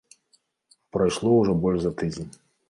Прайшло ўжо больш за тыдзень.